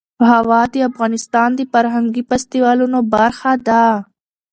هوا د افغانستان د فرهنګي فستیوالونو برخه ده.